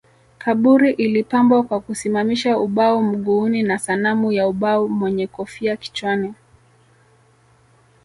Kaburi ilipambwa kwa kusimamisha ubao mguuni na sanamu ya ubao mwenye kofia kichwani